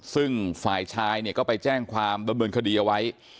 ซึ่งฝ่ายชายเนี่ยก็ไปแจ้งความดำเนินคดีเอาไว้